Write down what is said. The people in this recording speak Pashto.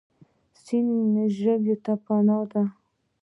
سیند ژویو ته پناه ده.